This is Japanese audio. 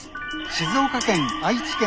静岡県愛知県